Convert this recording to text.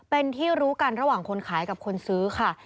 เป็นที่รู้กันระหว่างคนขายกับคนซื้อค่ะ